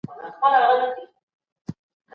شرم د نارینه لپاره عیب دی.